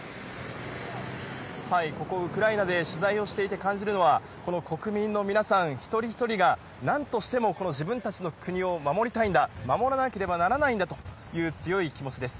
ここウクライナで取材をしていて感じるのは、国民の皆さん一人一人が、なんとしてもこの自分たちの国を守りたいんだ、守らなければならないんだという強い気持ちです。